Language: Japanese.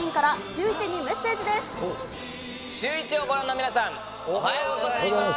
シューイチをご覧の皆さん、おはようございます。